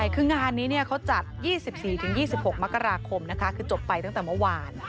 คืองานนี้เขาจัด๒๔๒๖มกราคมนะคะคือจบไปตั้งแต่เมื่อวาน